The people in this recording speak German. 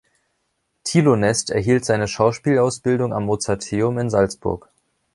Tilo Nest erhielt seine Schauspielausbildung am Mozarteum in Salzburg.